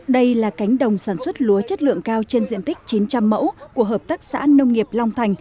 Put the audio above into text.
đây là cánh đồng sản xuất lúa chất lượng cao trên diện tích chín trăm linh mẫu của hợp tác xã nông nghiệp long thành